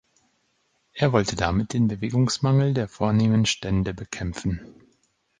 Er wollte damit den Bewegungsmangel der vornehmen Stände bekämpfen.